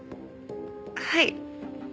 はい。